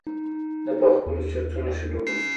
زه په خپلو چورتونو کښې ډوب وم.